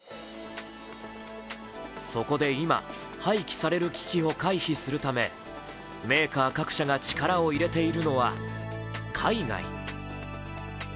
そこで今廃棄される危機を回避するため、メーカー各社が力を入れているのは海外。